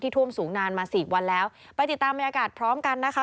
ท่วมสูงนานมาสี่วันแล้วไปติดตามบรรยากาศพร้อมกันนะคะ